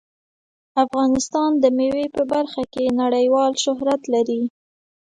افغانستان د مېوې په برخه کې نړیوال شهرت لري.